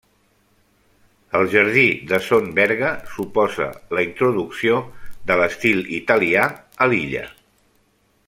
El jardí de Son Berga suposa la introducció de l'estil italià a l'illa.